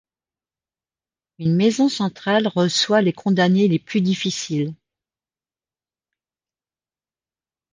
Une maison centrale reçoit les condamnés les plus difficiles.